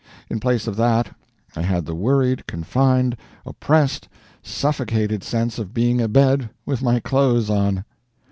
In place of that, I had the worried, confined, oppressed, suffocated sense of being abed with my clothes on.